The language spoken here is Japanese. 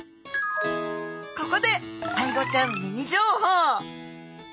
ここでアイゴちゃんミニ情報。